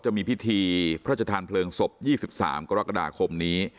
จะมีพิธีพระชธานเพลิงศพ๒๓กรกฎาคมนี้